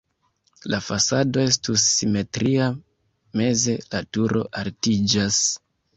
La fasado estus simetria, meze la turo altiĝas.